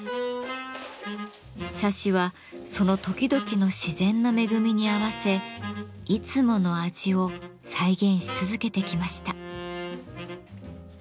茶師はその時々の自然の恵みに合わせいつもの味を再現し続けてきました。